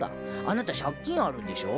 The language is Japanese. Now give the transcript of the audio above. あなた借金あるんでしょう。